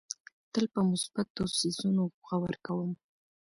تل په مثبتو څیزونو غور کوم.